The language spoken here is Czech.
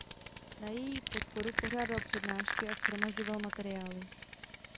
Na její podporu pořádal přednášky a shromažďoval materiály.